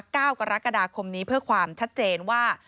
เก้ากรกฎาคมนี้เพื่อความชัดเจนว่า